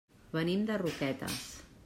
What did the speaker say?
Venim de Roquetes.